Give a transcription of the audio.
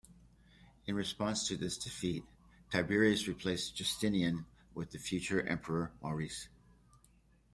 In response to this defeat, Tiberius replaced Justinian with the future emperor Maurice.